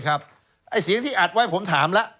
ไอ้เสียงที่อาจไว้ผมถามละ